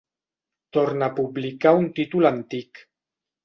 Torna a publicar un títol antic.